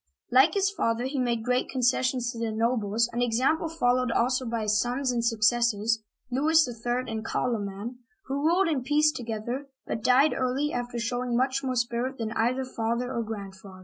Like his father, he made great concessions to the nobles, an example followed also by his sons and suc cessors, Louis III. and Car'loman, who ruled in peace to gether, but died early, after showing much more spirit than either father or grandfather.